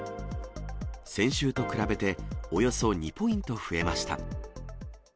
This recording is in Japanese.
先週と比べて、およそ２ポイント増えました。